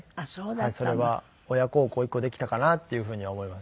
それは親孝行一個できたかなっていうふうには思います。